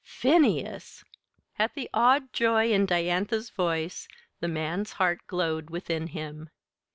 "Phineas!" At the awed joy in Diantha's voice the man's heart glowed within him.